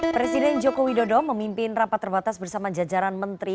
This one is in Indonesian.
presiden joko widodo memimpin rapat terbatas bersama jajaran menteri